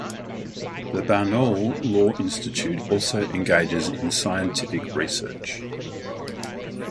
The Barnaul Law Institute also engages in scientific research.